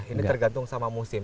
ini tergantung sama musim